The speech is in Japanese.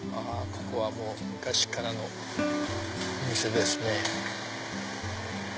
ここは昔からのお店ですね。